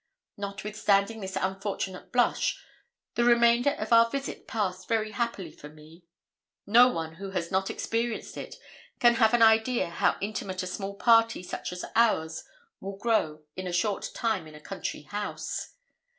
Notwithstanding this unfortunate blush, the remainder of our visit passed very happily for me. No one who has not experienced it can have an idea how intimate a small party, such as ours, will grow in a short time in a country house.